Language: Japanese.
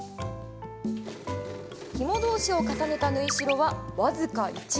ひも同士を重ねた縫い代は僅か１ｍｍ。